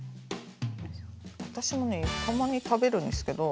私もねたまに食べるんですけど。